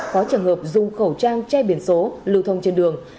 có trường hợp dùng khẩu trang che biển số lưu thông trên đường